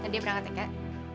nadia berangkat ya kek